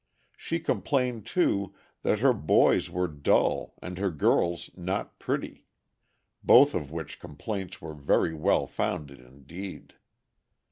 She complained, too, that her boys were dull and her girls not pretty, both of which complaints were very well founded indeed.